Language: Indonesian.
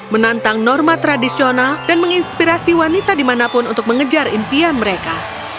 menantang norma tradisional dan menginspirasi wanita dimanapun untuk mengejar impian mereka